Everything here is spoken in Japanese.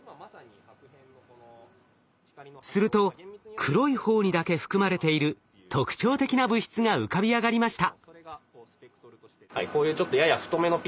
すると黒い方にだけ含まれている特徴的な物質が浮かび上がりました。